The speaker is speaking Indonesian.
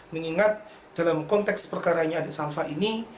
mengingat dalam konteks perkaranya adik shalfa ini